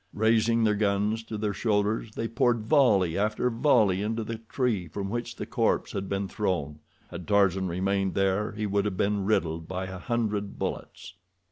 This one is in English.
Raising their guns to their shoulders, they poured volley after volley into the tree from which the corpse had been thrown—had Tarzan remained there he would have been riddled by a hundred bullets.